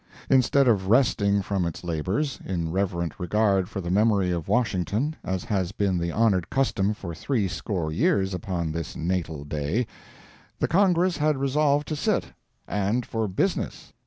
Instead of resting from its labors, in reverent regard for the memory of Washington, as has been the honored custom for three score years upon this natal day, the Congress had resolved to sit—and for business!